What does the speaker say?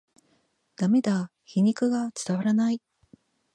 ダメだ、皮肉が伝わらない